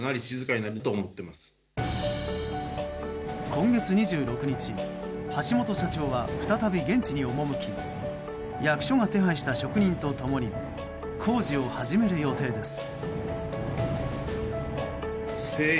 今月２６日、橋本社長は再び現地に赴き役所が手配した職人と共に工事を始める予定です。